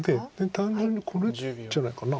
単純にこれじゃないかな。